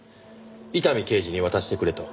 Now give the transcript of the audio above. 伊丹刑事に渡してくれと。